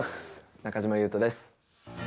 中島裕翔です。